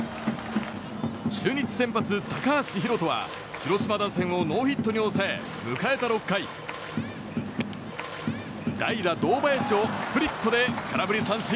中日の先発、高橋宏斗は広島打線をノーヒットに抑え迎えた６回、代打、堂林をスプリットで空振り三振。